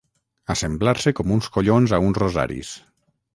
Assemblar-se com uns collons a uns rosaris.